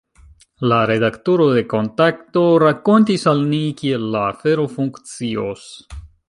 La redaktoro de Kontakto, rakontis al ni, kiel la afero funkcios.